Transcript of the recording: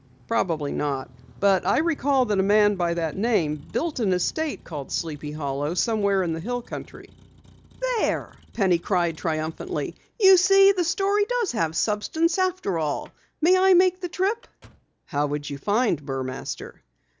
Probably not. But I recall that a man by that name built an estate called Sleepy Hollow somewhere in the hill country." "There!" cried Penny triumphantly. "You see the story does have substance after all! May I make the trip?" "How would you find Burmaster?"